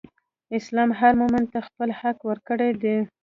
اسلام هر مؤمن ته خپل حق ورکړی دئ.